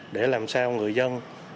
để làm sao người dân